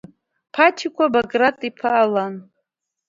Патико Баграт-иԥа Алан…